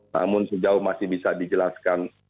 namun sejauh masih bisa dijelaskan